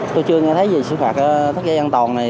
tôi chưa nghe thấy gì xử phạt tắt ghế an toàn này